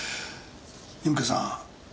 由美子さん